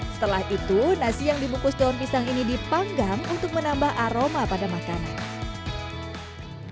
setelah itu nasi yang dibungkus daun pisang ini dipanggang untuk menambah aroma pada makanan